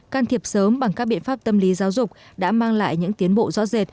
can thiệp sớm bằng các biện pháp tâm lý giáo dục đã mang lại những tiến bộ rõ rệt